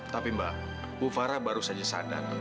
tapi mbak bu fara baru saja sadar